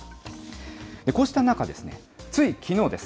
こうした中ですね、ついきのうです。